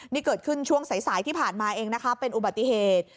นี่เกิดขึ้นช่วงสายสายที่ผ่านมาเองนะคะเป็นอุบัติเหตุ